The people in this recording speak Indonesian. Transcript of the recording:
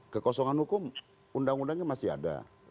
kekosongan hukum undang undangnya masih ada